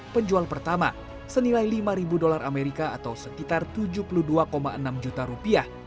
penjual pertama senilai lima ribu dolar amerika atau sekitar tujuh puluh dua enam juta rupiah